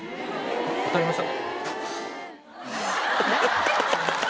当たりました？